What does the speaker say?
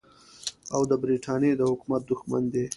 او د برټانیې د حکومت دښمن دی.